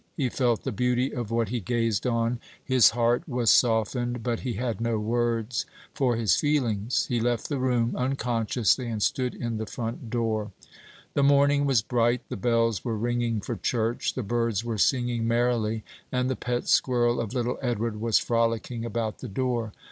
He felt the beauty of what he gazed on; his heart was softened, but he had no words for his feelings. He left the room unconsciously, and stood in the front door. The morning was bright, the bells were ringing for church, the birds were singing merrily, and the pet squirrel of little Edward was frolicking about the door.